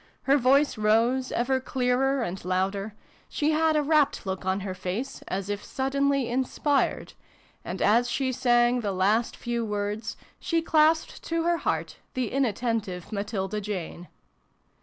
Her voice rose, ever clearer and louder : she had a rapt look on her face, as if suddenly inspired, and, as she sang the last few words, she clasped to her heart the inattentive Matilda Jane. v] MATILDA JANE.